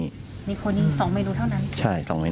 อยู่ดีมาตายแบบเปลือยคาห้องน้ำได้ยังไง